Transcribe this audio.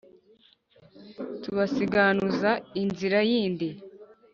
Kubasiganuza inzira yindi,